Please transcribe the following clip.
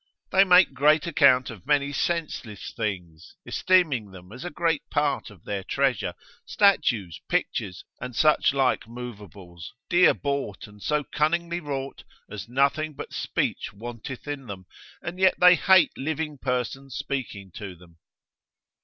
They make great account of many senseless things, esteeming them as a great part of their treasure, statues, pictures, and such like movables, dear bought, and so cunningly wrought, as nothing but speech wanteth in them, and yet they hate living persons speaking to them.